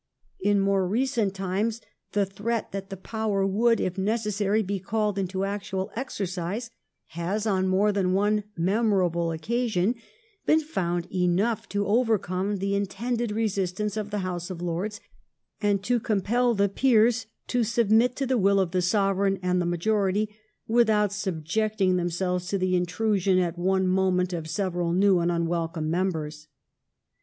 In more recent times the 1711 12 NEW PEERS CREATED. 115 threat that the power would, if necessary, be called into actual exercise, has on more than one memor able occasion been found enough to overcome the intended resistance of the House of Lords, and to compel the Peers to submit to the will of the Sovereign and the majority, without subjecting them selves to the intrusion at one moment of several new and unwelcome members.